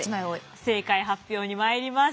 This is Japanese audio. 正解発表にまいります。